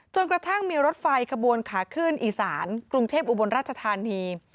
กระทั่งมีรถไฟขบวนขาขึ้นอีสานกรุงเทพอุบลราชธานี